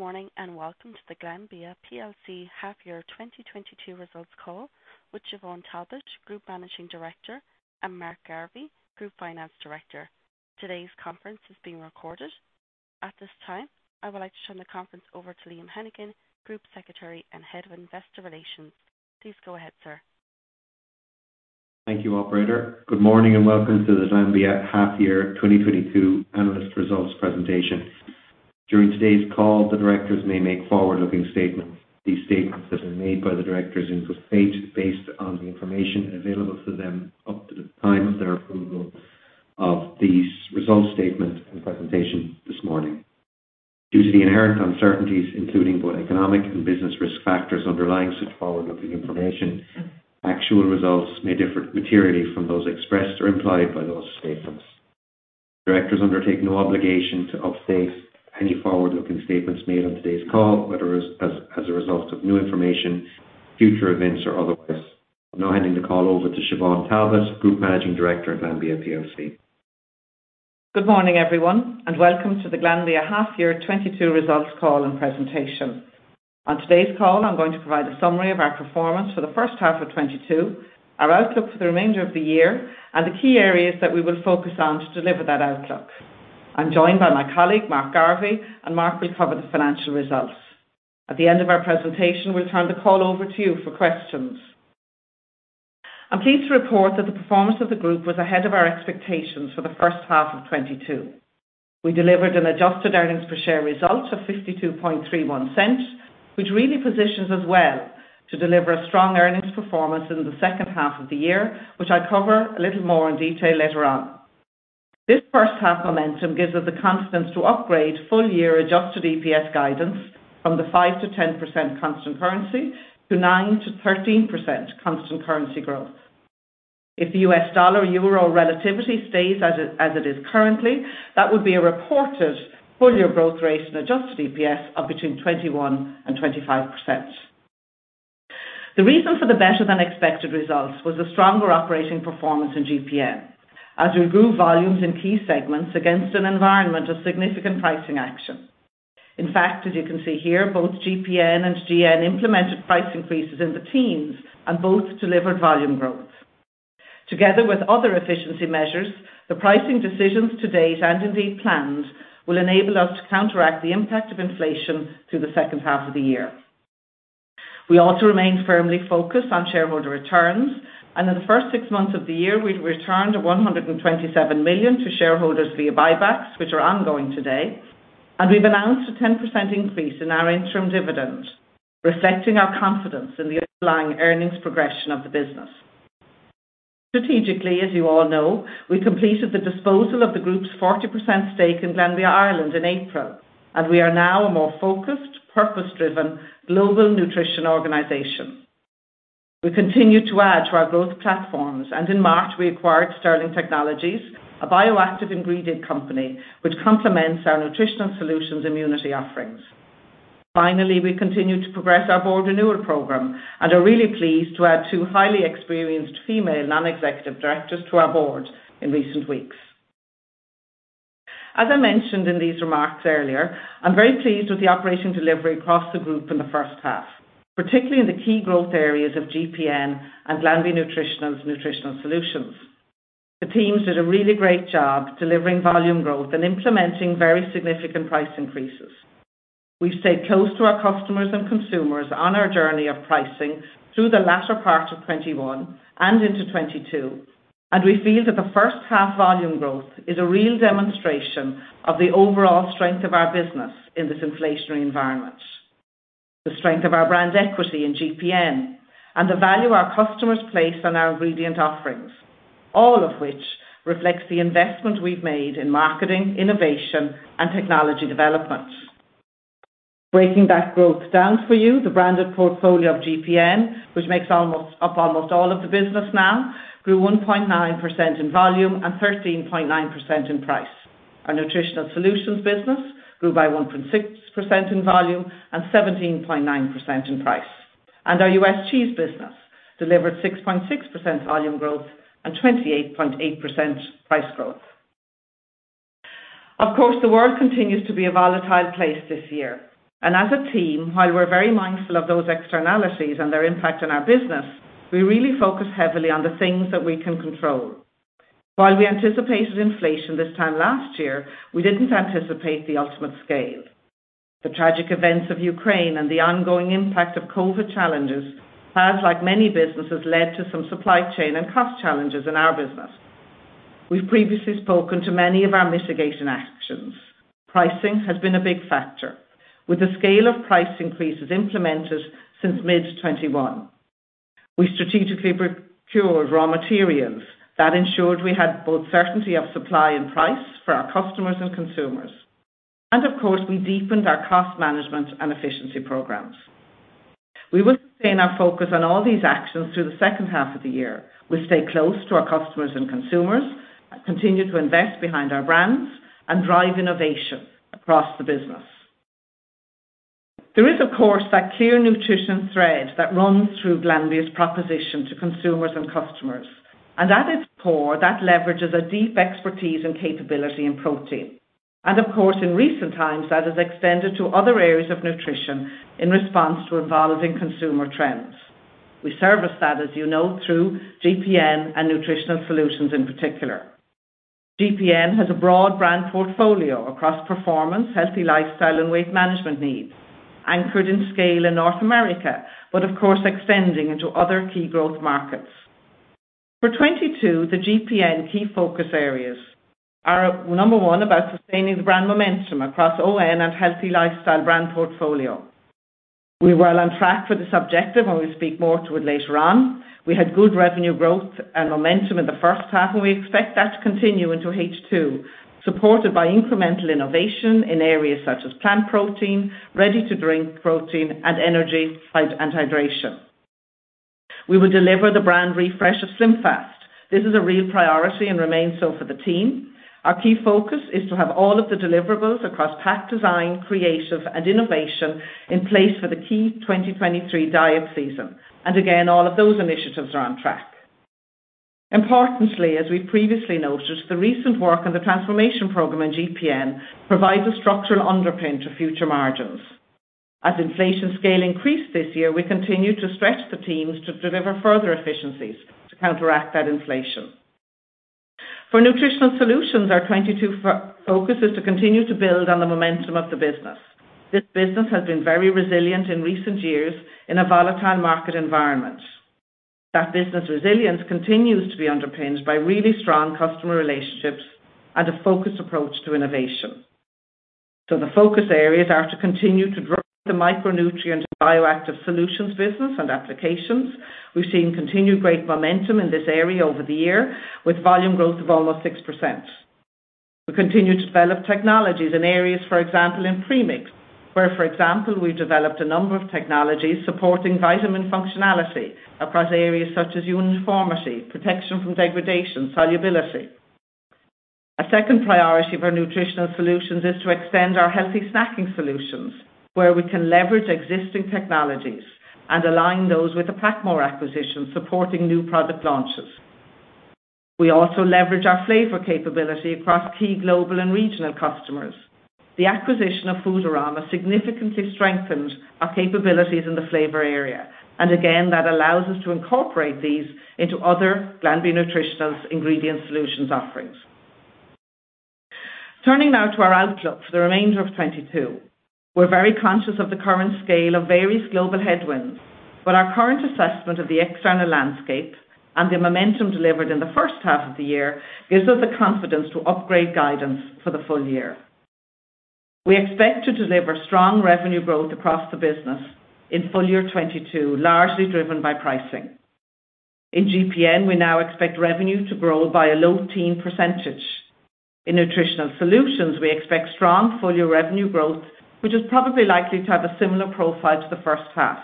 Good morning, and welcome to the Glanbia plc half-year 2022 results call with Siobhán Talbot, Group Managing Director, and Mark Garvey, Group Finance Director. Today's conference is being recorded. At this time, I would like to turn the conference over to Liam Hennigan, Group Secretary and Head of Investor Relations. Please go ahead, sir. Thank you, operator. Good morning, and welcome to the Glanbia half year 2022 analyst results presentation. During today's call, the directors may make forward-looking statements. These statements have been made by the directors in good faith based on the information available to them up to the time of their approval of these results statement and presentation this morning. Due to the inherent uncertainties, including both economic and business risk factors underlying such forward-looking information, actual results may differ materially from those expressed or implied by those statements. Directors undertake no obligation to update any forward-looking statements made on today's call, whether as a result of new information, future events, or otherwise. I'm now handing the call over to Siobhán Talbot, Group Managing Director of Glanbia plc. Good morning, everyone, and welcome to the Glanbia half year 2022 results call and presentation. On today's call, I'm going to provide a summary of our performance for the first half of 2022, our outlook for the remainder of the year, and the key areas that we will focus on to deliver that outlook. I'm joined by my colleague Mark Garvey, and Mark will cover the financial results. At the end of our presentation, we'll turn the call over to you for questions. I'm pleased to report that the performance of the group was ahead of our expectations for the first half of 2022. We delivered an adjusted earnings per share result of 52.31, which really positions us well to deliver a strong earnings performance in the second half of the year, which I'll cover a little more in detail later on. This first half momentum gives us the confidence to upgrade full year adjusted EPS guidance from the 5%-10% constant currency to 9%-13% constant currency growth. If the U.S. dollar-euro relativity stays as it is currently, that would be a reported full year growth rate in adjusted EPS of between 21% and 25%. The reason for the better-than-expected results was a stronger operating performance in GPN. As we grew volumes in key segments against an environment of significant pricing action. In fact, as you can see here, both GPN and GN implemented price increases in the teens and both delivered volume growth. Together with other efficiency measures, the pricing decisions to date and indeed planned will enable us to counteract the impact of inflation through the second half of the year. We also remain firmly focused on shareholder returns, and in the first six months of the year, we've returned 127 million to shareholders via buybacks, which are ongoing today. We've announced a 10% increase in our interim dividend, reflecting our confidence in the underlying earnings progression of the business. Strategically, as you all know, we completed the disposal of the group's 40% stake in Glanbia Ireland in April, and we are now a more focused, purpose-driven global nutrition organization. We continue to add to our growth platforms, and in March we acquired Sterling Technology, a bioactive ingredient company which complements our Nutritional Solutions immunity offerings. Finally, we continue to progress our board renewal program and are really pleased to add two highly experienced female non-executive directors to our board in recent weeks. As I mentioned in these remarks earlier, I'm very pleased with the operational delivery across the group in the first half, particularly in the key growth areas of GPN and Glanbia Nutritional's Nutritional Solutions. The teams did a really great job delivering volume growth and implementing very significant price increases. We've stayed close to our customers and consumers on our journey of pricing through the latter part of 2021 and into 2022, and we feel that the first half volume growth is a real demonstration of the overall strength of our business in this inflationary environment, the strength of our brand equity in GPN, and the value our customers place on our ingredient offerings, all of which reflects the investment we've made in marketing, innovation, and technology development. Breaking that growth down for you, the branded portfolio of GPN, which makes almost up almost all of the business now, grew 1.9% in volume and 13.9% in price. Our Nutritional Solutions business grew by 1.6% in volume and 17.9% in price. Our US Cheese business delivered 6.6% volume growth and 28.8% price growth. Of course, the world continues to be a volatile place this year, and as a team, while we're very mindful of those externalities and their impact on our business, we really focus heavily on the things that we can control. While we anticipated inflation this time last year, we didn't anticipate the ultimate scale. The tragic events of Ukraine and the ongoing impact of COVID challenges has, like many businesses, led to some supply chain and cost challenges in our business. We've previously spoken to many of our mitigation actions. Pricing has been a big factor. With the scale of price increases implemented since mid-2021, we strategically procured raw materials that ensured we had both certainty of supply and price for our customers and consumers. Of course, we deepened our cost management and efficiency programs. We will sustain our focus on all these actions through the second half of the year. We'll stay close to our customers and consumers, continue to invest behind our brands, and drive innovation across the business. There is of course, that clear nutrition thread that runs through Glanbia's proposition to consumers and customers. At its core, that leverages a deep expertise and capability in protein. Of course, in recent times, that has extended to other areas of nutrition in response to evolving consumer trends. We service that, as you know, through GPN and Nutritional Solutions in particular. GPN has a broad brand portfolio across performance, healthy lifestyle, and weight management needs, anchored in scale in North America, but of course extending into other key growth markets. For 2022, the GPN key focus areas are number one, about sustaining the brand momentum across ON and healthy lifestyle brand portfolio. We were on track for this objective, and we'll speak more to it later on. We had good revenue growth and momentum in the first half, and we expect that to continue into H2, supported by incremental innovation in areas such as plant protein, ready-to-drink protein, and energy and hydration. We will deliver the brand refresh of SlimFast. This is a real priority and remains so for the team. Our key focus is to have all of the deliverables across pack design, creative, and innovation in place for the key 2023 diet season. Again, all of those initiatives are on track. Importantly, as we previously noted, the recent work on the transformation program in GPN provides a structural underpin to future margins. As inflation scale increased this year, we continue to stretch the teams to deliver further efficiencies to counteract that inflation. For Nutritional Solutions, our 2022 focus is to continue to build on the momentum of the business. This business has been very resilient in recent years in a volatile market environment. That business resilience continues to be underpinned by really strong customer relationships and a focused approach to innovation. The focus areas are to continue to grow the micronutrient bioactive solutions business and applications. We've seen continued great momentum in this area over the year with volume growth of almost 6%. We continue to develop technologies in areas, for example, in premix, where, for example, we developed a number of technologies supporting vitamin functionality across areas such as uniformity, protection from degradation, solubility. A second priority for Nutritional Solutions is to extend our healthy snacking solutions where we can leverage existing technologies and align those with the PacMoore acquisition, supporting new product launches. We also leverage our flavor capability across key global and regional customers. The acquisition of Foodarom significantly strengthened our capabilities in the flavor area, and again, that allows us to incorporate these into other Glanbia Nutritionals ingredient solutions offerings. Turning now to our outlook for the remainder of 2022. We're very conscious of the current scale of various global headwinds, but our current assessment of the external landscape and the momentum delivered in the first half of the year gives us the confidence to upgrade guidance for the full year. We expect to deliver strong revenue growth across the business in full year 2022, largely driven by pricing. In GPN, we now expect revenue to grow by a low-teens %. In Nutritional Solutions, we expect strong full-year revenue growth, which is probably likely to have a similar profile to the first half.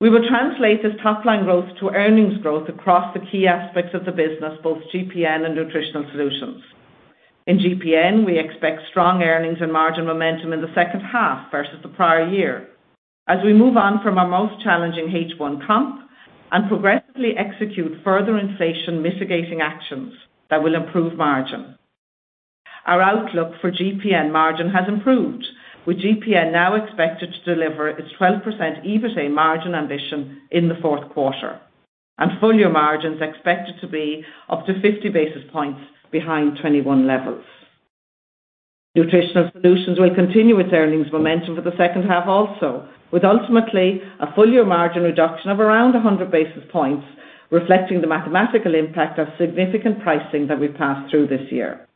We will translate this top-line growth to earnings growth across the key aspects of the business, both GPN and Nutritional Solutions. In GPN, we expect strong earnings and margin momentum in the second half versus the prior year as we move on from our most challenging H1 comp and progressively execute further inflation mitigating actions that will improve margin. Our outlook for GPN margin has improved, with GPN now expected to deliver its 12% EBITA margin ambition in the fourth quarter and full year margins expected to be up to 50 basis points behind 2021 levels. Nutritional Solutions will continue its earnings momentum for the second half also with ultimately a full year margin reduction of around 100 basis points, reflecting the mathematical impact of significant pricing that we've passed through this year.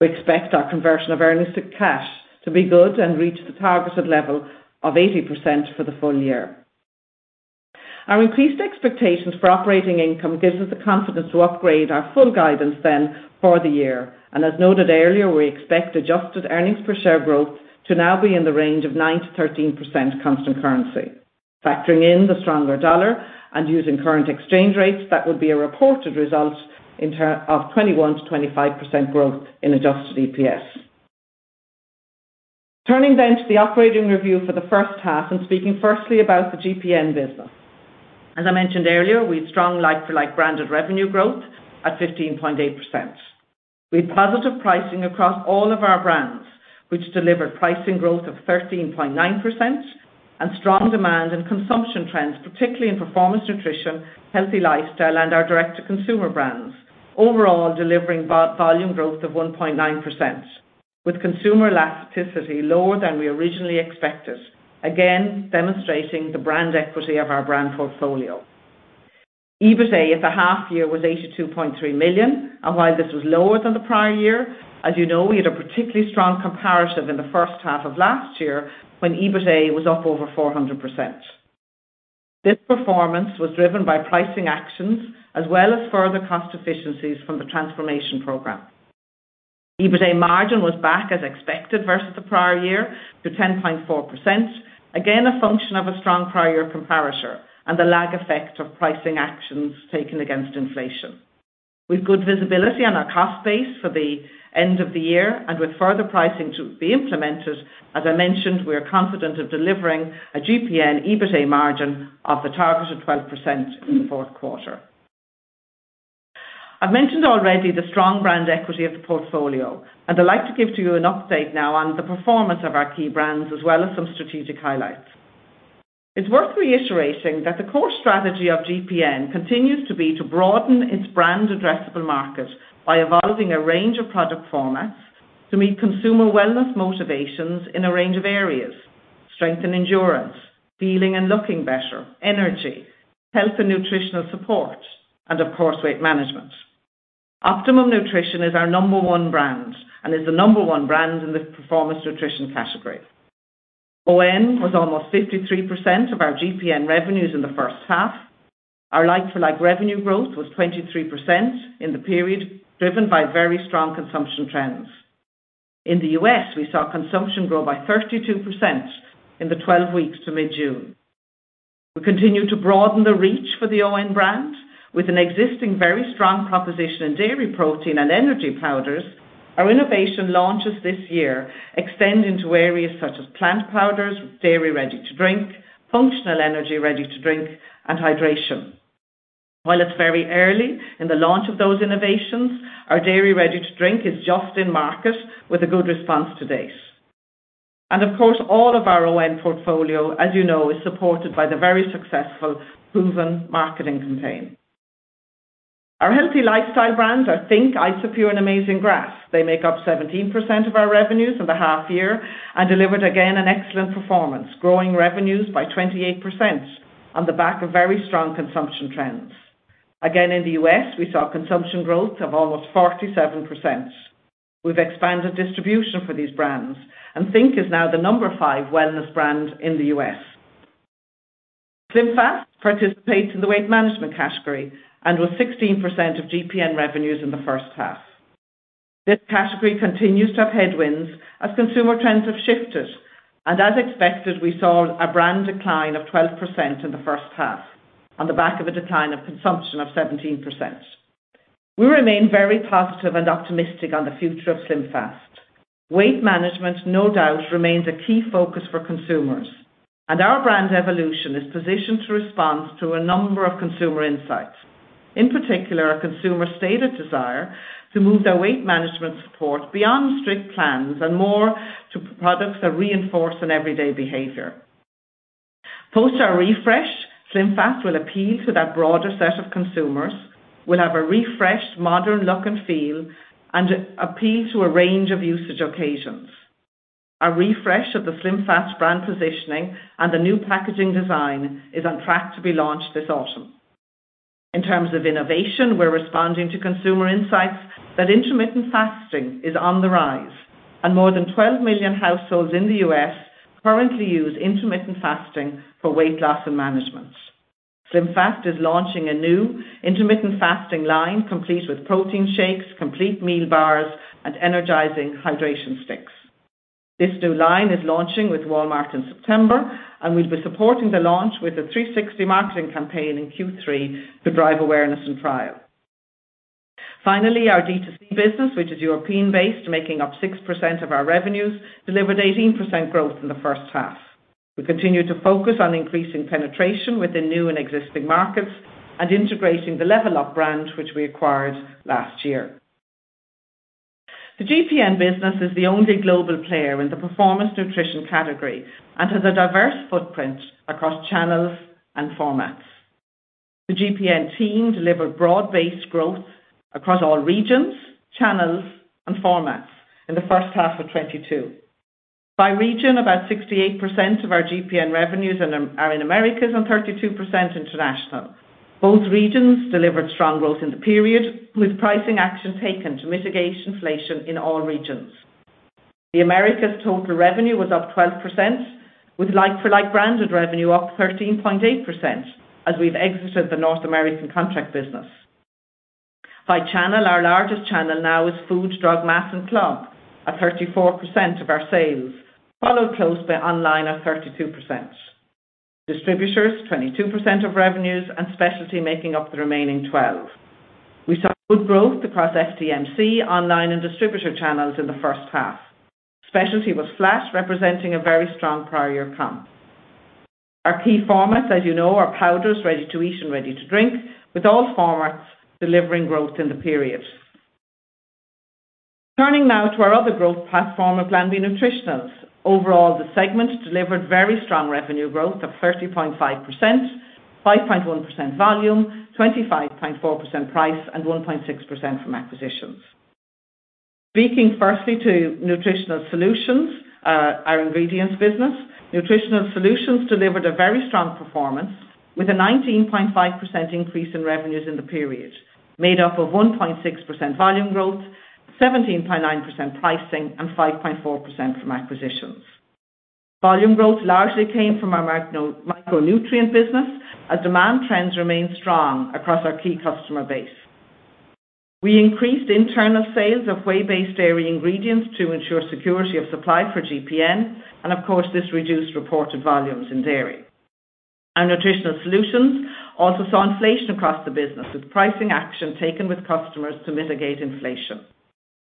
We expect our conversion of earnings to cash to be good and reach the targeted level of 80% for the full year. Our increased expectations for operating income gives us the confidence to upgrade our full guidance then for the year. As noted earlier, we expect adjusted earnings per share growth to now be in the range of 9%-13% constant currency. Factoring in the stronger dollar and using current exchange rates, that would be a reported result in terms of 21%-25% growth in adjusted EPS. Turning to the operating review for the first half and speaking firstly about the GPN business. As I mentioned earlier, we had strong like-for-like branded revenue growth at 15.8%. We had positive pricing across all of our brands, which delivered pricing growth of 13.9% and strong demand and consumption trends, particularly in Performance Nutrition, healthy lifestyle, and our direct-to-consumer brands. Overall, delivering volume growth of 1.9% with consumer elasticity lower than we originally expected, again demonstrating the brand equity of our brand portfolio. EBITA at the half year was 82.3 million. While this was lower than the prior year, as you know, we had a particularly strong comparative in the first half of last year when EBITA was up over 400%. This performance was driven by pricing actions as well as further cost efficiencies from the transformation program. EBITA margin was back as expected versus the prior year to 10.4%. Again, a function of a strong prior year comparator and the lag effect of pricing actions taken against inflation. With good visibility on our cost base for the end of the year and with further pricing to be implemented, as I mentioned, we are confident of delivering a GPN EBITA margin of the target of 12% in the fourth quarter. I've mentioned already the strong brand equity of the portfolio, and I'd like to give to you an update now on the performance of our key brands as well as some strategic highlights. It's worth reiterating that the core strategy of GPN continues to be to broaden its brand addressable market by evolving a range of product formats to meet consumer wellness motivations in a range of areas, strength and endurance, feeling and looking better, energy, health and nutritional support, and of course, weight management. Optimum Nutrition is our number one brand and is the number one brand in the Performance Nutrition category. ON was almost 53% of our GPN revenues in the first half. Our like-for-like revenue growth was 23% in the period driven by very strong consumption trends. In the U.S., we saw consumption grow by 32% in the 12 weeks to mid-June. We continue to broaden the reach for the ON brand with an existing very strong proposition in dairy protein and energy powders. Our innovation launches this year extend into areas such as plant powders, dairy ready to drink, functional energy ready to drink, and hydration. While it's very early in the launch of those innovations, our dairy ready to drink is just in market with a good response to date. Of course, all of our ON portfolio, as you know, is supported by the very successful proven marketing campaign. Our healthy lifestyle brands are think!, Isopure, and Amazing Grass. They make up 17% of our revenues in the half year and delivered again an excellent performance, growing revenues by 28% on the back of very strong consumption trends. Again, in the U.S., we saw consumption growth of almost 47%. We've expanded distribution for these brands, and think! is now the number five wellness brand in the U.S. SlimFast participates in the weight management category and with 16% of GPN revenues in the first half. This category continues to have headwinds as consumer trends have shifted, and as expected, we saw a brand decline of 12% in the first half on the back of a decline of consumption of 17%. We remain very positive and optimistic on the future of SlimFast. Weight management, no doubt, remains a key focus for consumers, and our brand evolution is positioned to respond to a number of consumer insights. In particular, a consumer stated desire to move their weight management support beyond strict plans and more to products that reinforce an everyday behavior. Post our refresh, SlimFast will appeal to that broader set of consumers, will have a refreshed modern look and feel, and appeal to a range of usage occasions. A refresh of the SlimFast brand positioning and the new packaging design is on track to be launched this autumn. In terms of innovation, we're responding to consumer insights that intermittent fasting is on the rise, and more than 12 million households in the U.S. currently use intermittent fasting for weight loss and management. SlimFast is launching a new intermittent fasting line, complete with protein shakes, complete meal bars, and energizing hydration sticks. This new line is launching with Walmart in September, and we'll be supporting the launch with a 360-marketing campaign in Q3 to drive awareness and trial. Finally, our D2C business, which is European based, making up 6% of our revenues, delivered 18% growth in the first half. We continue to focus on increasing penetration within new and existing markets and integrating the LevlUp brand, which we acquired last year. The GPN business is the only global player in the performance nutrition category and has a diverse footprint across channels and formats. The GPN team delivered broad-based growth across all regions, channels, and formats in the first half of 2022. By region, about 68% of our GPN revenues are in Americas and 32% international. Both regions delivered strong growth in the period, with pricing action taken to mitigate inflation in all regions. The Americas total revenue was up 12%, with like for like branded revenue up 13.8% as we've exited the North American contract business. By channel, our largest channel now is food, drug, mass, and club at 34% of our sales, followed close by online at 32%. Distributors, 22% of revenues, and specialty making up the remaining 12. We saw good growth across FDMC, online, and distributor channels in the first half. Specialty was flat, representing a very strong prior year comp. Our key formats, as you know, are powders, ready to eat, and ready to drink, with all formats delivering growth in the period. Turning now to our other growth platform of Glanbia Nutritionals. Overall, the segment delivered very strong revenue growth of 30.5%, 5.1% volume, 25.4% price, and 1.6% from acquisitions. Speaking firstly to Nutritional Solutions, our ingredients business, Nutritional Solutions delivered a very strong performance with a 19.5% increase in revenues in the period, made up of 1.6% volume growth, 17.9% pricing, and 5.4% from acquisitions. Volume growth largely came from our micronutrient business as demand trends remain strong across our key customer base. We increased internal sales of whey-based dairy ingredients to ensure security of supply for GPN, and of course, this reduced reported volumes in dairy. Our Nutritional Solutions also saw inflation across the business, with pricing action taken with customers to mitigate inflation.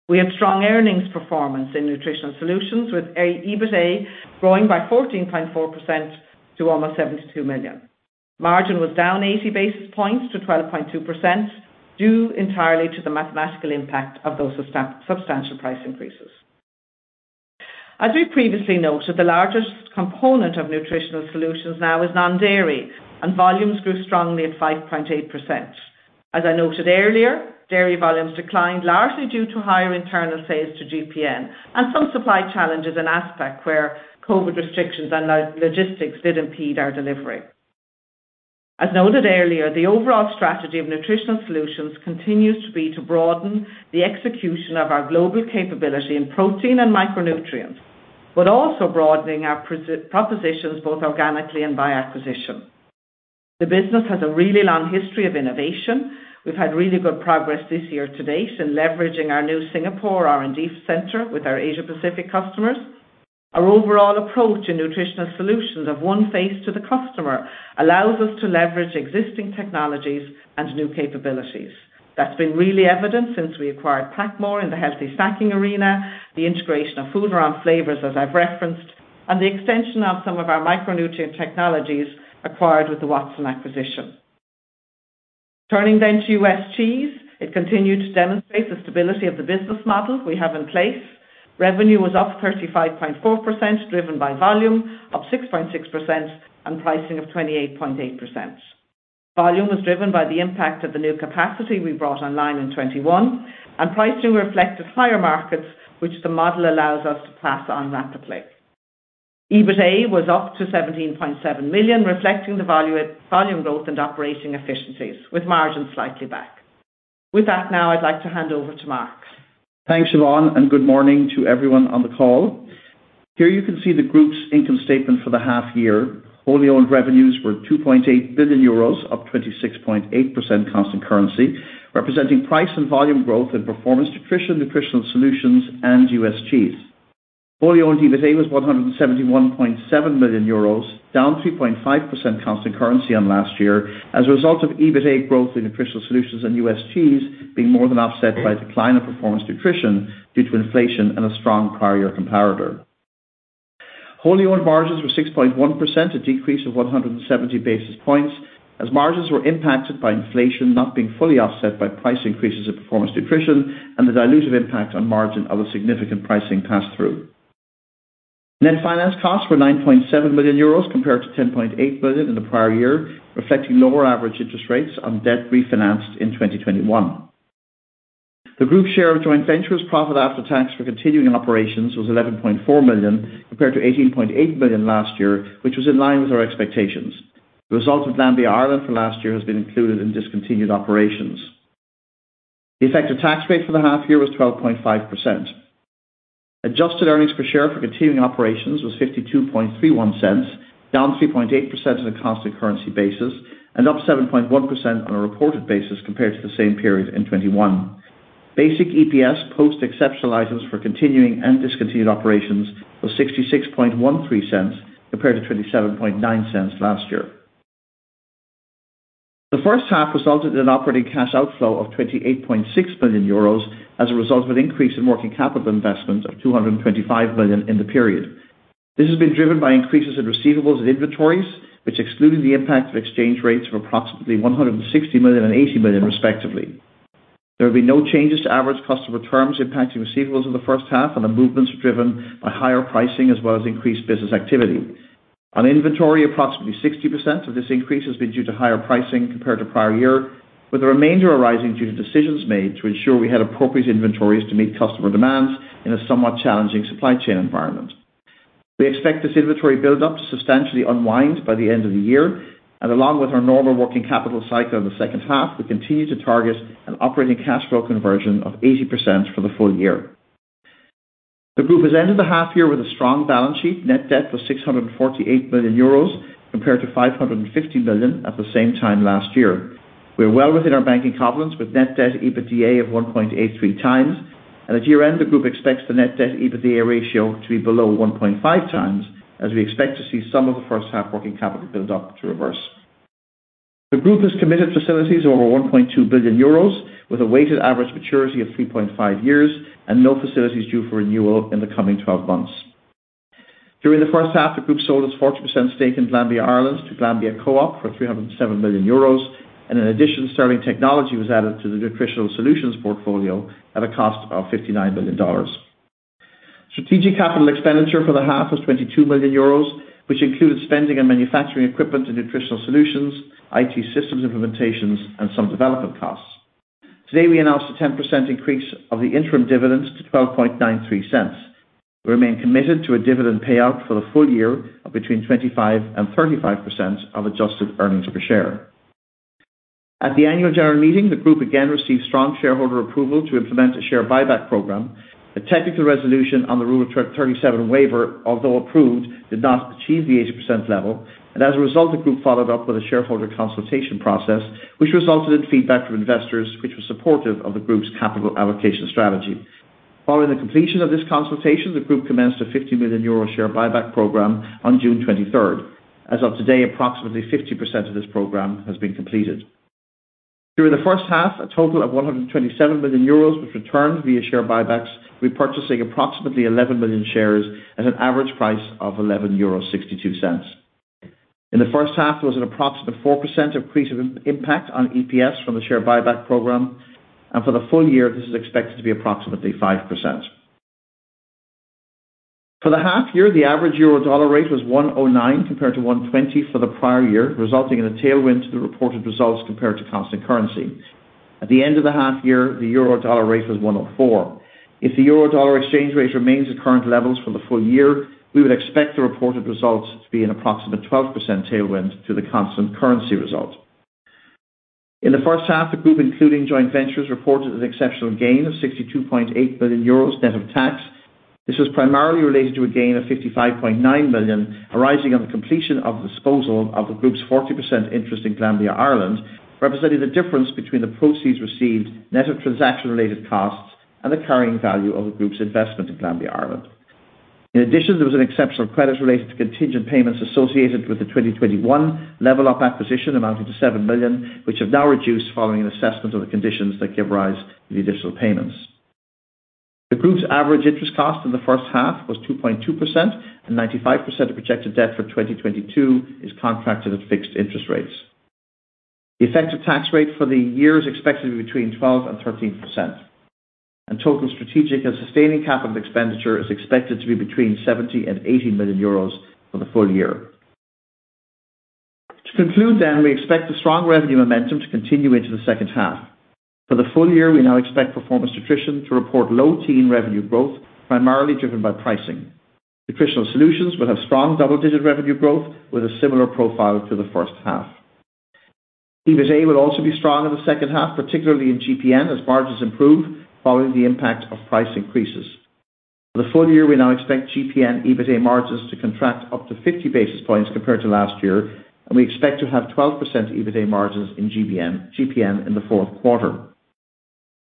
We had strong earnings performance in nutritional solutions, with EBITDA growing by 14.4% to almost 72 million. Margin was down 80 basis points to 12.2% due entirely to the mathematical impact of those substantial price increases. As we previously noted, the largest component of nutritional solutions now is non-dairy, and volumes grew strongly at 5.8%. As I noted earlier, dairy volumes declined largely due to higher internal sales to GPN and some supply challenges in aspect where COVID restrictions and logistics did impede our delivery. As noted earlier, the overall strategy of nutritional solutions continues to be to broaden the execution of our global capability in protein and micronutrients but also broadening our propositions both organically and by acquisition. The business has a really long history of innovation. We've had really good progress this year to date in leveraging our new Singapore R&D center with our Asia Pacific customers. Our overall approach in nutritional solutions of one face to the customer allows us to leverage existing technologies and new capabilities. That's been really evident since we acquired PacMoore in the healthy snacking arena, the integration of Foodarom Flavors, as I've referenced, and the extension of some of our micronutrient technologies acquired with the Watson acquisition. Turning to US Cheese, it continued to demonstrate the stability of the business model we have in place. Revenue was up 35.4%, driven by volume of 6.6% and pricing of 28.8%. Volume was driven by the impact of the new capacity we brought online in 2021, and pricing reflected higher markets which the model allows us to pass on rapidly. EBITA was up to 17.7 million, reflecting the value-volume growth and operating efficiencies with margins slightly back. With that now I'd like to hand over to Mark. Thanks, Siobhán, and good morning to everyone on the call. Here you can see the group's income statement for the half year. Wholly owned revenues were 2.8 billion euros, up 26.8% constant currency, representing price and volume growth in Performance Nutrition, Nutritional Solutions, and US Cheese. Wholly owned EBITA was 171.7 million euros, down 3.5% constant currency on last year as a result of EBITA growth in Nutritional Solutions and US Cheese being more than offset by a decline in Performance Nutrition due to inflation and a strong prior year comparator. Wholly owned margins were 6.1%, a decrease of 170 basis points as margins were impacted by inflation not being fully offset by price increases in Performance Nutrition and the dilutive impact on margin of a significant pricing pass-through. Net finance costs were 9.7 million euros compared to 10.8 million in the prior year, reflecting lower average interest rates on debt refinanced in 2021. The group share of joint ventures profit after tax for continuing operations was 11.4 million compared to 18.8 million last year, which was in line with our expectations. The result of Glanbia Ireland for last year has been included in discontinued operations. The effective tax rate for the half year was 12.5%. Adjusted earnings per share for continuing operations was 0.5231, down 3.8% on a constant currency basis, and up 7.1% on a reported basis compared to the same period in 2021. Basic EPS post-exceptional items for continuing and discontinued operations was 0.6613 compared to 0.279 last year. The first half resulted in an operating cash outflow of 28.6 billion euros as a result of an increase in working capital investments of 225 million in the period. This has been driven by increases in receivables and inventories, which, excluding the impact of exchange rates of approximately 160 million and 80 million respectively. There have been no changes to average customer terms impacting receivables in the first half, and the movements are driven by higher pricing as well as increased business activity. On inventory, approximately 60% of this increase has been due to higher pricing compared to prior year, with the remainder arising due to decisions made to ensure we had appropriate inventories to meet customer demands in a somewhat challenging supply chain environment. We expect this inventory buildup to substantially unwind by the end of the year, and along with our normal working capital cycle in the second half, we continue to target an operating cash flow conversion of 80% for the full year. The group has ended the half year with a strong balance sheet. Net debt was 648 million euros compared to 550 million at the same time last year. We're well within our banking covenants with net debt to EBITDA of 1.83x, and at year-end, the group expects the net debt to EBITDA ratio to be below 1.5x as we expect to see some of the first half working capital build up to reverse. The group has committed facilities over 1.2 billion euros with a weighted average maturity of 3.5 years and no facilities due for renewal in the coming twelve months. During the first half, the group sold its 40% stake in Glanbia Ireland to Glanbia Co-op for EUR 307 million. In addition, Sterling Technology was added to the Nutritional Solutions portfolio at a cost of $59 million. Strategic capital expenditure for the half was 22 million euros, which included spending on manufacturing equipment in Nutritional Solutions, IT systems implementations, and some development costs. Today, we announced a 10% increase of the interim dividends to 0.1293. We remain committed to a dividend payout for the full year of between 25%-35% of adjusted earnings per share. At the annual general meeting, the group again received strong shareholder approval to implement a share buyback program. The technical resolution on the Rule of 37 waiver, although approved, did not achieve the 80% level, and as a result, the group followed up with a shareholder consultation process, which resulted in feedback from investors which was supportive of the group's capital allocation strategy. Following the completion of this consultation, the group commenced a 50 million euro share buyback program on June twenty-third. As of today, approximately 50% of this program has been completed. During the first half, a total of 127 million euros was returned via share buybacks, repurchasing approximately 11 million shares at an average price of 11.62 euro. In the first half, there was an approximate 4% accretive impact on EPS from the share buyback program, and for the full year this is expected to be approximately 5%. For the half year, the average euro-dollar rate was 1.09, compared to 1.20 for the prior year, resulting in a tailwind to the reported results compared to constant currency. At the end of the half year, the euro dollar rate was 1.04. If the euro dollar exchange rate remains at current levels for the full year, we would expect the reported results to be an approximate 12% tailwind to the constant currency result. In the first half, the group, including joint ventures, reported an exceptional gain of 62.8 billion euros net of tax. This was primarily related to a gain of 55.9 million, arising on the completion of the disposal of the group's 40% interest in Glanbia Ireland, representing the difference between the proceeds received net of transaction-related costs and the carrying value of the group's investment in Glanbia Ireland. In addition, there was an exceptional credit related to contingent payments associated with the 2021 LevlUp acquisition amounting to 7 million, which have now reduced following an assessment of the conditions that give rise to the additional payments. The group's average interest cost in the first half was 2.2%, and 95% of projected debt for 2022 is contracted at fixed interest rates. The effective tax rate for the year is expected to be between 12%-13%, and total strategic and sustaining capital expenditure is expected to be between 70 million-80 million euros for the full year. To conclude then, we expect the strong revenue momentum to continue into the second half. For the full year, we now expect Performance Nutrition to report low teens revenue growth, primarily driven by pricing. Nutritional Solutions will have strong double-digit revenue growth with a similar profile to the first half. EBITA will also be strong in the second half, particularly in GPN as margins improve following the impact of price increases. For the full year, we now expect GPN EBITA margins to contract up to 50 basis points compared to last year, and we expect to have 12% EBITA margins in GPN in the fourth quarter.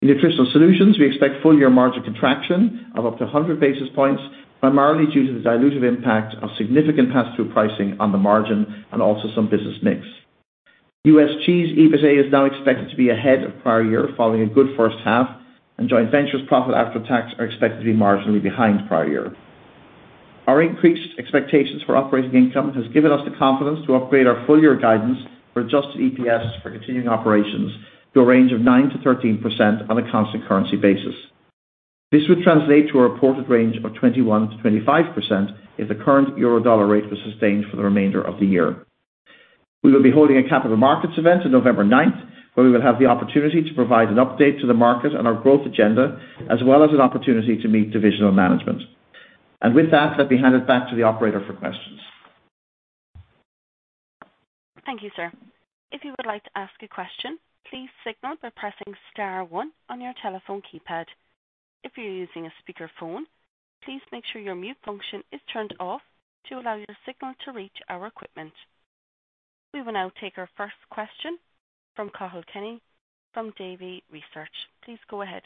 In Nutritional Solutions, we expect full year margin contraction of up to 100 basis points, primarily due to the dilutive impact of significant pass-through pricing on the margin and also some business mix. US Cheese EBITA is now expected to be ahead of prior year following a good first half, and joint ventures profit after tax are expected to be marginally behind prior year. Our increased expectations for operating income has given us the confidence to upgrade our full year guidance for adjusted EPS for continuing operations to a range of 9%-13% on a constant currency basis. This would translate to a reported range of 21%-25% if the current euro dollar rate was sustained for the remainder of the year. We will be holding a capital markets event on November ninth, where we will have the opportunity to provide an update to the market on our growth agenda, as well as an opportunity to meet divisional management. With that, let me hand it back to the operator for questions. Thank you, sir. If you would like to ask a question, please signal by pressing star one on your telephone keypad. If you're using a speakerphone, please make sure your mute function is turned off to allow your signal to reach our equipment. We will now take our first question from Cathal Kenny from Davy Research. Please go ahead.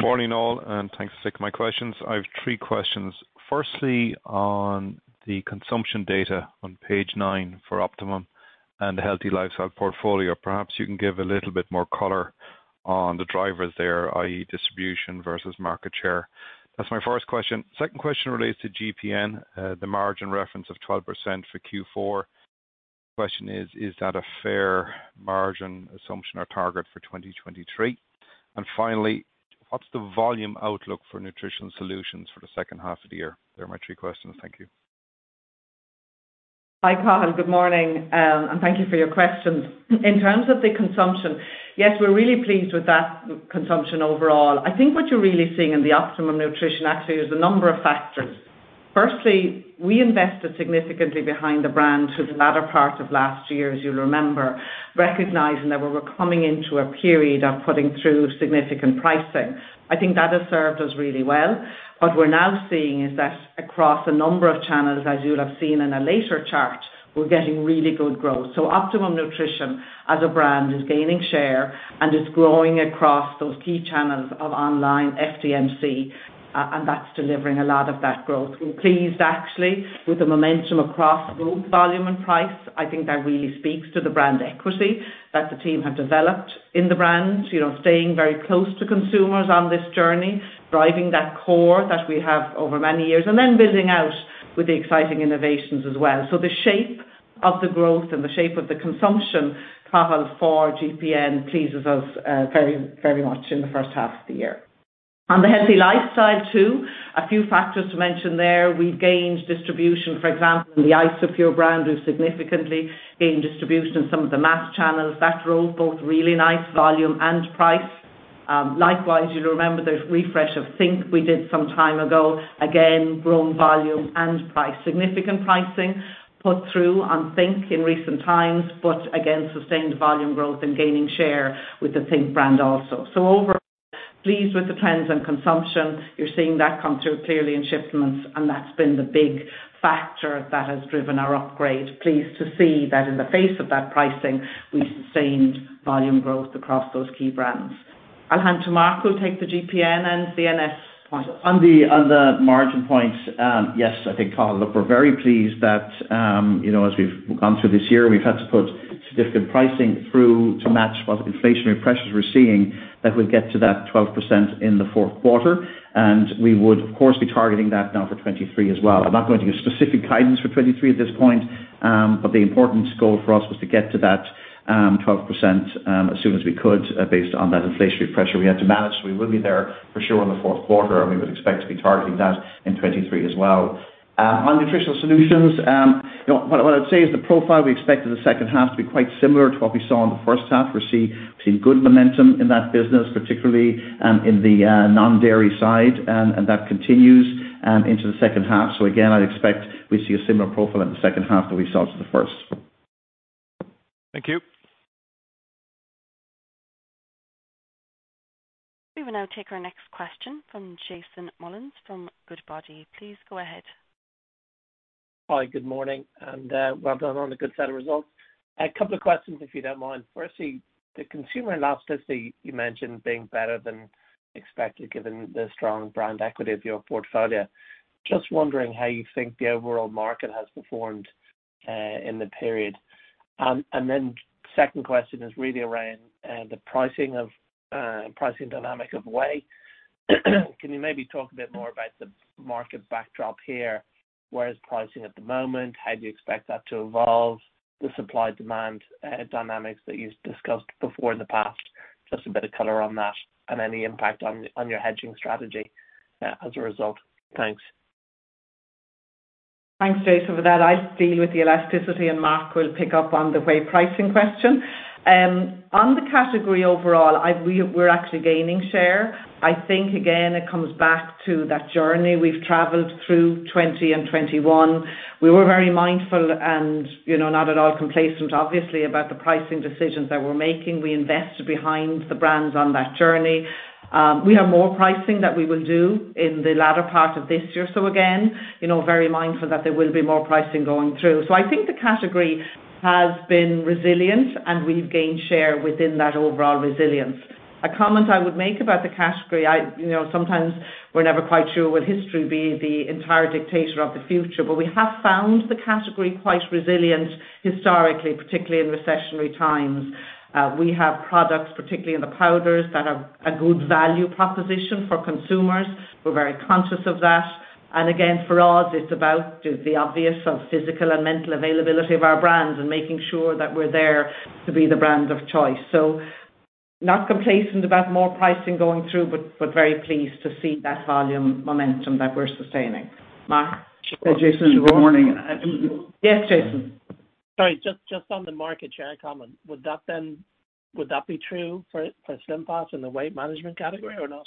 Morning all, and thanks to take my questions. I have three questions. Firstly, on the consumption data on page nine for Optimum and the healthy lifestyle portfolio, perhaps you can give a little bit more color on the drivers there, i.e., distribution versus market share. That's my first question. Second question relates to GPN, the margin reference of 12% for Q4. Question is that a fair margin assumption or target for 2023? Finally, what's the volume outlook for nutritional solutions for the second half of the year? They're my three questions. Thank you. Hi, Cathal. Good morning, and thank you for your questions. In terms of the consumption, yes, we're really pleased with that consumption overall. I think what you're really seeing in the Optimum Nutrition actually is a number of factors. Firstly, we invested significantly behind the brand through the latter part of last year, as you'll remember, recognizing that we were coming into a period of putting through significant pricing. I think that has served us really well. What we're now seeing is that across a number of channels, as you'll have seen in a later chart, we're getting really good growth. Optimum Nutrition as a brand is gaining share and is growing across those key channels of online FDMC, and that's delivering a lot of that growth. We're pleased actually with the momentum across both volume and price. I think that really speaks to the brand equity that the team have developed in the brand, you know, staying very close to consumers on this journey, driving that core that we have over many years, and then building out with the exciting innovations as well. The shape of the growth and the shape of the consumption, Cathal, for GPN pleases us, very, very much in the first half of the year. On the healthy lifestyle too, a few factors to mention there. We've gained distribution, for example, in the Isopure brand, who significantly gained distribution in some of the mass channels. That role both really nice volume and price. Likewise, you'll remember those refresh of think! we did some time ago. Again, grown volume and price. Significant pricing put through on think! in recent times, but again, sustained volume growth and gaining share with the think! Brand also. Overall, pleased with the trends and consumption. You're seeing that come through clearly in shipments, and that's been the big factor that has driven our upgrade. Pleased to see that in the face of that pricing, we've sustained volume growth across those key brands. I'll hand to Mark, who'll take the GPN and CNS points. On the margin points, yes, I think, Cathal. Look, we're very pleased that, you know, as we've gone through this year, we've had to put significant pricing through to match what the inflationary pressures we're seeing, that we'll get to that 12% in the fourth quarter. We would, of course, be targeting that now for 2023 as well. I'm not going to give specific guidance for 2023 at this point, but the important goal for us was to get to that 12%, as soon as we could, based on that inflationary pressure we had to manage. We will be there for sure in the fourth quarter, and we would expect to be targeting that in 2023 as well. On Nutritional Solutions, you know, what I'd say is the profile we expect in the second half to be quite similar to what we saw in the first half. We're seeing good momentum in that business, particularly in the non-dairy side, and that continues into the second half. Again, I'd expect we see a similar profile in the second half that we saw in the first. Thank you. We will now take our next question from Jason Molins from Goodbody. Please go ahead. Hi, good morning, and well done on the good set of results. A couple of questions, if you don't mind. Firstly, the consumer elasticity you mentioned being better than expected, given the strong brand equity of your portfolio. Just wondering how you think the overall market has performed in the period? Second question is really around the pricing dynamic of whey. Can you maybe talk a bit more about the market backdrop here? Where is pricing at the moment? How do you expect that to evolve, the supply-demand dynamics that you discussed before in the past? Just a bit of color on that and any impact on your hedging strategy as a result. Thanks. Thanks, Jason, for that. I'll deal with the elasticity, and Mark will pick up on the whey pricing question. On the category overall, we're actually gaining share. I think, again, it comes back to that journey we've traveled through 2020 and 2021. We were very mindful and, you know, not at all complacent, obviously, about the pricing decisions that we're making. We invested behind the brands on that journey. We have more pricing that we will do in the latter part of this year. Again, you know, very mindful that there will be more pricing going through. I think the category has been resilient, and we've gained share within that overall resilience. A comment I would make about the category, you know, sometimes we're never quite sure will history be the entire dictator of the future, but we have found the category quite resilient historically, particularly in recessionary times. We have products, particularly in the powders, that are a good value proposition for consumers. We're very conscious of that. Again, for us, it's about the obvious of physical and mental availability of our brands and making sure that we're there to be the brand of choice. Not complacent about more pricing going through, but very pleased to see that volume momentum that we're sustaining. Mark? Jason, good morning. Yes, Jason. Sorry, just on the market share comment, would that be true for SlimFast in the weight management category or not?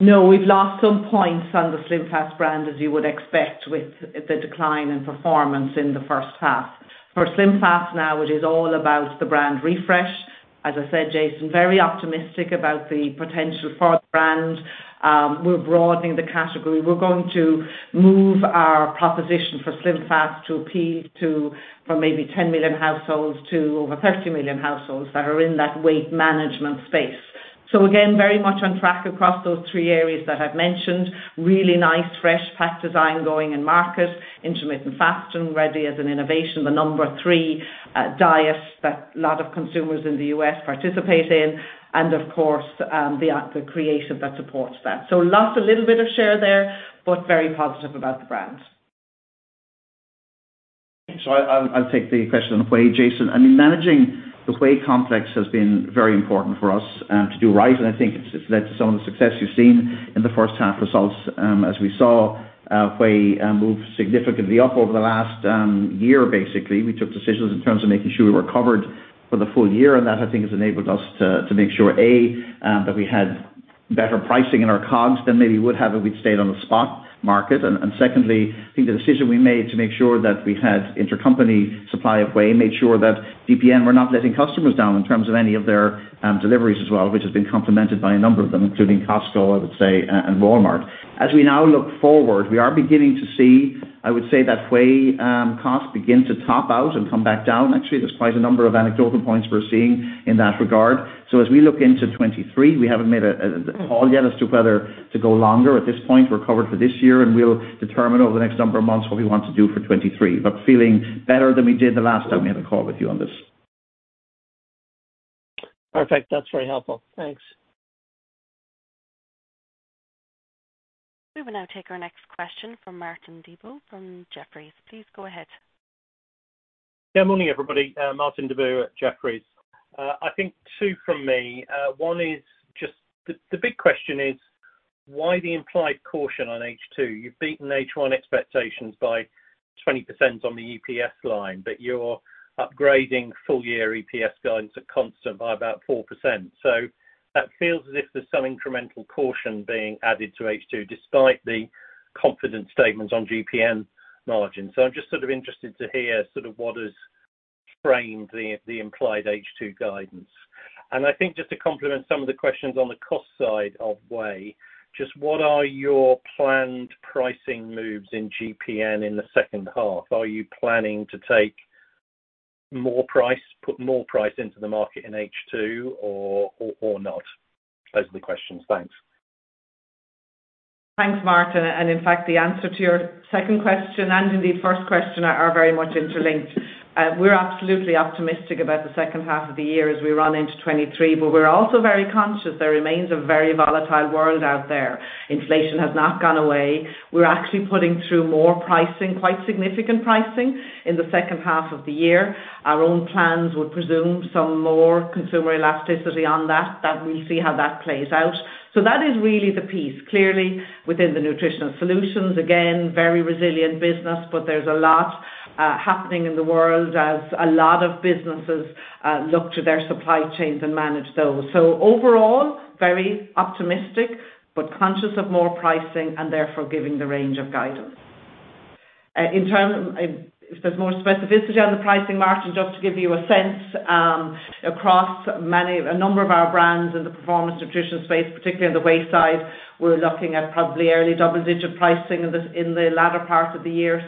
No. We've lost some points on the SlimFast brand, as you would expect, with the decline in performance in the first half. For SlimFast now, it is all about the brand refresh. As I said, Jason, very optimistic about the potential for the brand. We're broadening the category. We're going to move our proposition for SlimFast to appeal to from maybe 10 million households to over 30 million households that are in that weight management space. Again, very much on track across those three areas that I've mentioned. Really nice, fresh pack design going in market. Intermittent fasting ready as an innovation, the number three diet that a lot of consumers in the U.S. participate in. Of course, the creative that supports that. Lost a little bit of share there, but very positive about the brand. I'll take the question on whey, Jason. I mean, managing the whey complex has been very important for us to do right, and I think it's led to some of the success you've seen in the first half results. As we saw, whey move significantly up over the last year, basically. We took decisions in terms of making sure we were covered for the full year, and that, I think, has enabled us to make sure that we had better pricing in our COGS than maybe we would have if we'd stayed on the spot market. Second, I think the decision we made to make sure that we had intercompany supply of whey made sure that GPN were not letting customers down in terms of any of their deliveries as well, which has been complimented by a number of them, including Costco, I would say, and Walmart. As we now look forward, we are beginning to see, I would say that whey costs begin to top out and come back down. Actually, there's quite a number of anecdotal points we're seeing in that regard. As we look into 2023, we haven't made a call yet as to whether to go longer. At this point, we're covered for this year, and we'll determine over the next number of months what we want to do for 2023. Feeling better than we did the last time we had a call with you on this. Perfect. That's very helpful. Thanks. We will now take our next question from Martin Deboo from Jefferies. Please go ahead. Morning, everybody. Martin Deboo at Jefferies. I think two from me. One is just the big question is why the implied caution on H2? You've beaten H1 expectations by 20% on the EPS line, but you're upgrading full year EPS guidance at constant by about 4%. That feels as if there's some incremental caution being added to H2 despite the confidence statements on GPN margins. I'm just sort of interested to hear sort of what has framed the implied H2 guidance. I think just to complement some of the questions on the cost side of Whey, just what are your planned pricing moves in GPN in the second half? Are you planning to take more price, put more price into the market in H2 or not? Those are the questions. Thanks. Thanks, Martin. In fact, the answer to your second question and indeed first question are very much interlinked. We're absolutely optimistic about the second half of the year as we run into 2023, but we're also very conscious there remains a very volatile world out there. Inflation has not gone away. We're actually putting through more pricing, quite significant pricing in the second half of the year. Our own plans would presume some more consumer elasticity on that we'll see how that plays out. That is really the piece. Clearly, within the nutritional solutions, again, very resilient business, but there's a lot happening in the world as a lot of businesses look to their supply chains and manage those. Overall, very optimistic, but conscious of more pricing and therefore giving the range of guidance. If there's more specificity on the pricing, Martin, just to give you a sense, across a number of our brands in the performance nutrition space, particularly on the weight side, we're looking at probably early double-digit pricing in the latter part of the year.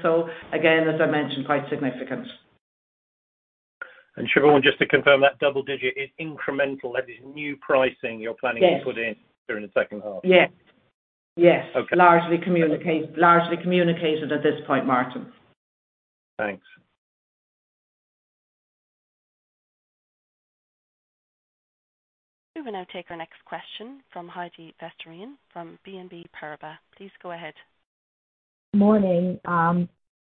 Again, as I mentioned, quite significant. Siobhán, just to confirm, that double digit is incremental. That is new pricing you're planning- Yes. to put in during the second half. Yes. Yes. Okay. Largely communicated at this point, Martin. Thanks. We will now take our next question from Heidi Vesterinen from BNP Paribas. Please go ahead. Morning.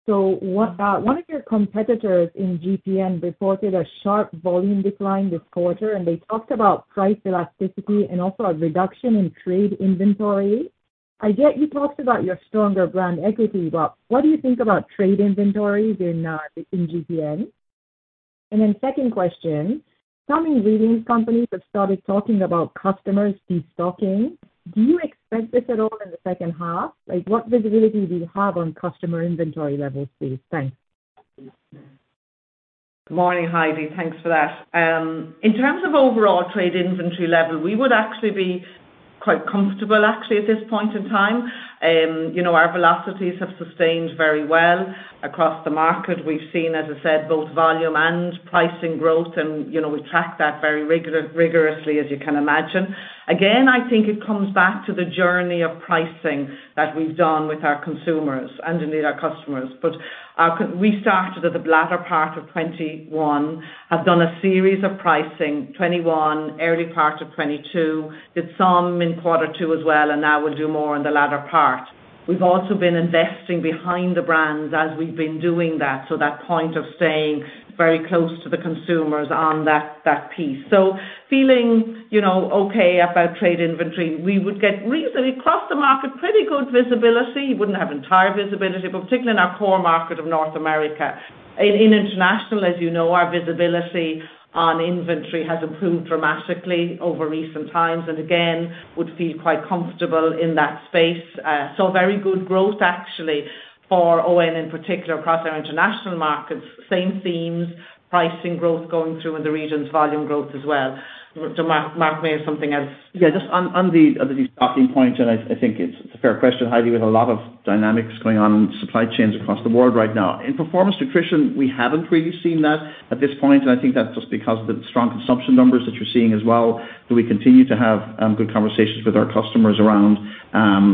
So one of your competitors in GPN reported a sharp volume decline this quarter, and they talked about price elasticity and also a reduction in trade inventory. I get you talked about your stronger brand equity, but what do you think about trade inventories in GPN? Second question, some ingredients companies have started talking about customers de-stocking. Do you expect this at all in the second half? Like, what visibility do you have on customer inventory levels, please? Thanks. Morning, Heidi. Thanks for that. In terms of overall trade inventory level, we would actually be quite comfortable actually at this point in time. You know, our velocities have sustained very well across the market. We've seen, as I said, both volume and pricing growth and, you know, we track that very rigorously, as you can imagine. Again, I think it comes back to the journey of pricing that we've done with our consumers and indeed our customers. We started at the latter part of 2021, have done a series of pricing, 2021, early part of 2022, did some in quarter two as well, and now we'll do more in the latter part. We've also been investing behind the brands as we've been doing that, so that point of staying very close to the consumers on that piece. Feeling, you know, okay about trade inventory. We would get reasonably, across the market, pretty good visibility. We wouldn't have entire visibility, but particularly in our core market of North America. In international, as you know, our visibility on inventory has improved dramatically over recent times, and again, would feel quite comfortable in that space. Very good growth actually for ON, in particular, across our international markets. Same themes, pricing growth going through in the regions, volume growth as well. Mark may have something else. Just on the stocking point, I think it's a fair question, Heidi, with a lot of dynamics going on in supply chains across the world right now. In Performance Nutrition, we haven't really seen that at this point, and I think that's just because of the strong consumption numbers that you're seeing as well. We continue to have good conversations with our customers around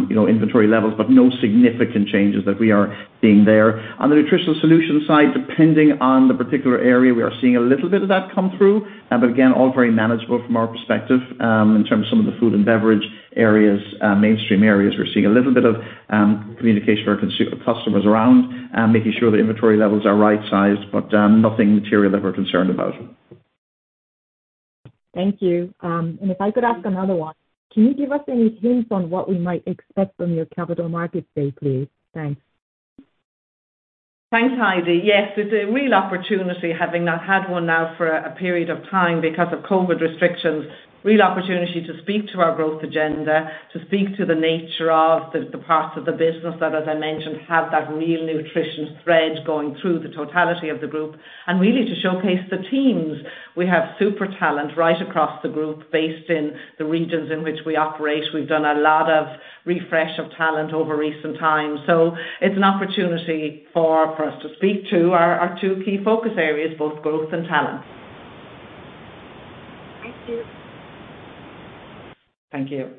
you know, inventory levels, but no significant changes that we are seeing there. On the Nutritional Solutions side, depending on the particular area, we are seeing a little bit of that come through. Again, all very manageable from our perspective. In terms of some of the food and beverage areas, mainstream areas, we're seeing a little bit of communication with our customers around making sure the inventory levels are right-sized, but nothing material that we're concerned about. Thank you. If I could ask another one. Can you give us any hints on what we might expect from your capital markets day, please? Thanks. Thanks, Heidi. Yes, it's a real opportunity having not had one now for a period of time because of COVID restrictions. Real opportunity to speak to our growth agenda, to speak to the nature of the parts of the business that, as I mentioned, have that real nutrition thread going through the totality of the group, and really to showcase the teams. We have super talent right across the group based in the regions in which we operate. We've done a lot of refresh of talent over recent times. It's an opportunity for us to speak to our two key focus areas, both growth and talent. Thank you. Thank you.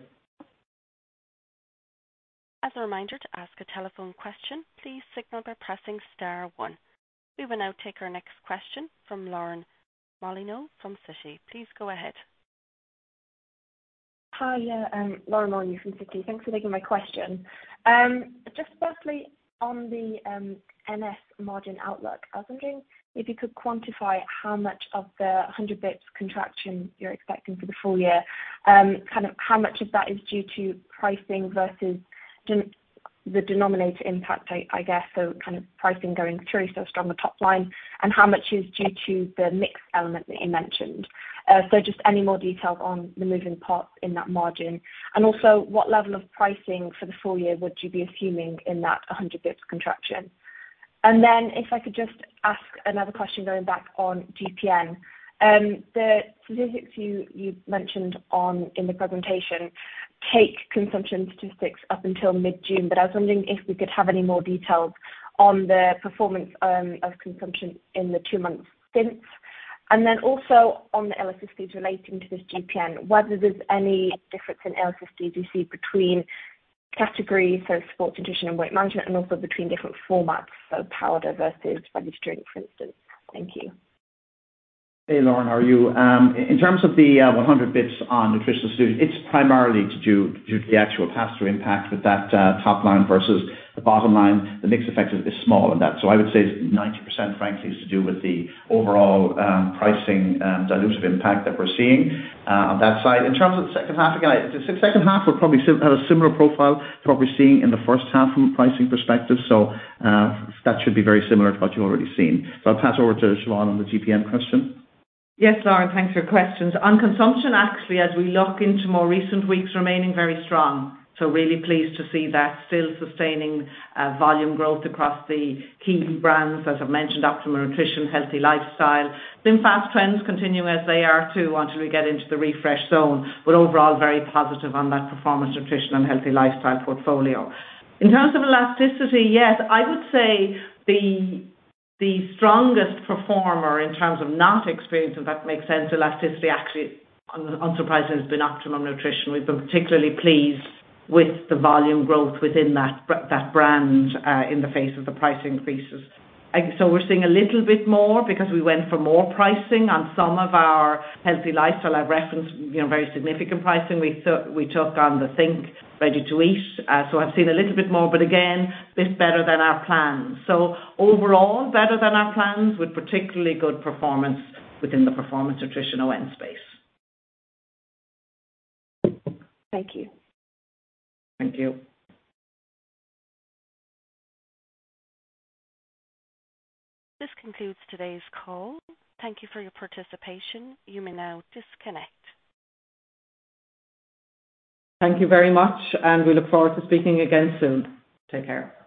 As a reminder to ask a telephone question, please signal by pressing star one. We will now take our next question from Lauren Molyneux from Citi. Please go ahead. Hi, Lauren Molyneux from Citi. Thanks for taking my question. Just firstly on the NS margin outlook, I was wondering if you could quantify how much of the 100 basis points contraction you're expecting for the full year. Kind of how much of that is due to pricing versus the denominator impact, I guess, so kind of pricing going through, so strong the top line, and how much is due to the mix element that you mentioned. So just any more details on the moving parts in that margin. Also what level of pricing for the full year would you be assuming in that 100-basis points contraction? If I could just ask another question going back on GPN. The statistics you mentioned on consumption in the presentation. Take consumption statistics up until mid-June, but I was wondering if we could have any more details on the performance of consumption in the two months since. Also on the elasticity relating to this GPN, whether there's any difference in elasticity you see between categories, so sports nutrition and weight management, and also between different formats, so powder versus ready-to-drink, for instance. Thank you. Hey, Lauren, how are you? In terms of the 100 basis points on Nutritional Solutions, it's primarily due to the actual pass-through impact with that top line versus the bottom line. The mix effect is small in that. I would say 90% frankly is to do with the overall pricing dilutive impact that we're seeing on that side. In terms of the second half, again, the second half will probably have a similar profile to what we're seeing in the first half from a pricing perspective. That should be very similar to what you've already seen. I'll pass over to Siobhán on the GPN question. Yes, Lauren, thanks for your questions. On consumption, actually, as we look into more recent weeks, remaining very strong. Really pleased to see that still sustaining volume growth across the key brands, as I've mentioned, Optimum Nutrition, Healthy Lifestyle. SlimFast trends continue as they are too, until we get into the refresh zone, but overall very positive on that Performance Nutrition and healthy lifestyle portfolio. In terms of elasticity, yes, I would say the strongest performer in terms of not experiencing, if that makes sense, elasticity actually unsurprisingly has been Optimum Nutrition. We've been particularly pleased with the volume growth within that brand, in the face of the price increases. We're seeing a little bit more because we went for more pricing on some of our healthy lifestyle. I've referenced, you know, very significant pricing we took on the think! ready to eat. I've seen a little bit more, but again, bit better than our plans. Overall, better than our plans with particularly good performance within the Performance Nutrition ON space. Thank you. Thank you. This concludes today's call. Thank you for your participation. You may now disconnect. Thank you very much, and we look forward to speaking again soon. Take care.